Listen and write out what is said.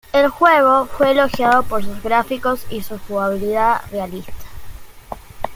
El juego fue elogiado por sus gráficos y su jugabilidad realista.